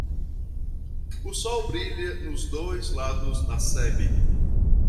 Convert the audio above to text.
O sol brilha nos dois lados da sebe.